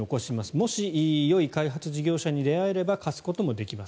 もしよい開発事業者に出会えれば貸すこともできます